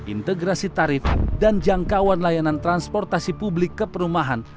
integrasi tarif dan jangkauan layanan transportasi publik ke perumahan